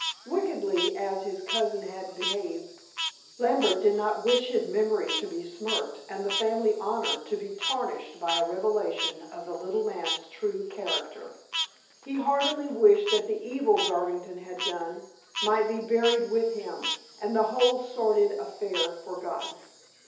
Wickedly as his cousin had behaved, Lambert did not wish his memory to be smirched and the family honor to be tarnished by a revelation of the little man's true character. He heartily wished that the evil Garvington had done might be buried with him, and the whole sordid affair forgotten.